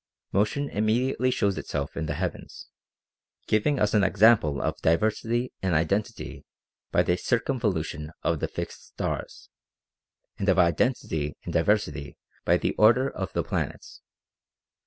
Motion immediately shows itself in the heavens, giving us an example of diversity in identity by the circumvolution of the fixed stars, and of identity in diversity by the order of the planets.